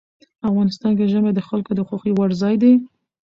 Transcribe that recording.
افغانستان کې ژمی د خلکو د خوښې وړ ځای دی.